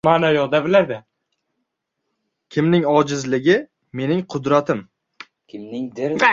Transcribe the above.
Kimning ojizligi – mening qudratim